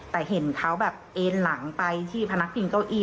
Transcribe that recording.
แต่เห็นเขาแบบเอ็นหลังไปที่พนักพิงเก้าอี้